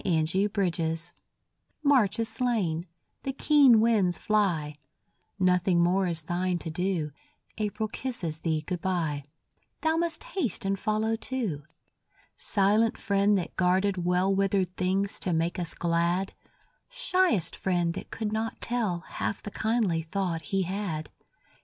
GOD SPEED TO THE SNOW March is slain; the keen winds fly; Nothing more is thine to do; April kisses thee good bye; Thou must haste and follow too; Silent friend that guarded well Withered things to make us glad, Shyest friend that could not tell Half the kindly thought he had.